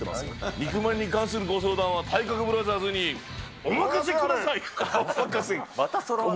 肉まんに関するご相談は体格ブラザーズにお任せください。